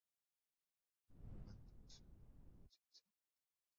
可用于入药。